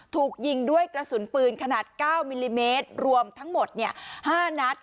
ถูกยิงด้วยกระสุนปืนขนาด๙มิลลิเมตรรวมทั้งหมด๕นัด